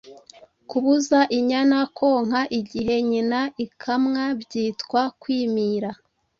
Kubuza inyana konka igihe nyina ikamwa byitwa Kwimira